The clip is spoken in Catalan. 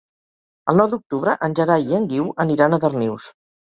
El nou d'octubre en Gerai i en Guiu aniran a Darnius.